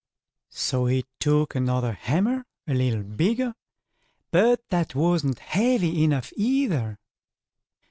So he took another hammer a little bigger, but that wasn't heavy enough either.